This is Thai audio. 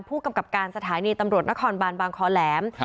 ผู้กำกับการสถานีตำรวจนครบานบางคอแหลม